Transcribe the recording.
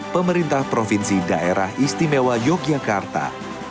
pemerintah provinsi daerah istimewa yogyakarta